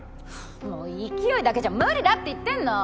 もう勢いだけじゃ無理だって言ってんの！